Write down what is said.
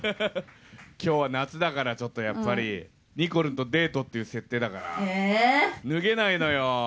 きょうは夏だから、ちょっとやっぱり、にこるんとデートっていう設定だから、えー？脱げないのよ。